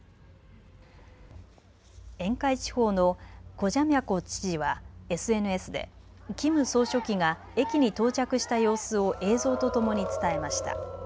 沿海地方のコジェミャコ知事はＳＮＳでキム総書記が駅に到着した様子を映像とともに伝えました。